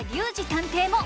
探偵も！